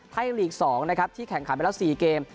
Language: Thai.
ไทยลีกส์๒ที่แข่งขันไปแล้ว๔เกม